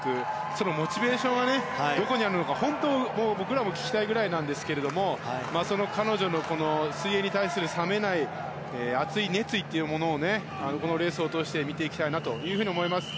そのモチベーションがどこにあるのか、本当、僕らも聞きたいくらいなんですけども彼女の水泳に対する冷めない熱い熱意というものをこのレースを通して見ていきたいなと思います。